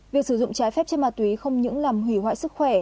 việc sử dụng trái phép chất ma túy không những làm hủy hoại sức khỏe